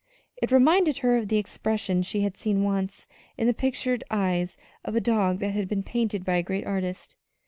It reminded her of the expression she had seen once in the pictured eyes of a dog that had been painted by a great artist.